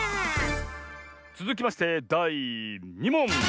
つづきましてだい２もん！